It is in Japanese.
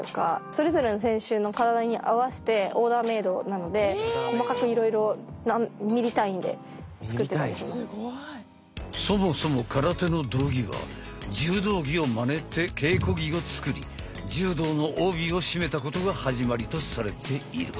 それぞれの選手の体に合わせてオーダーメードなので細かくいろいろそもそも空手の道着は柔道着をまねて稽古着を作り柔道の帯を締めたことが始まりとされている。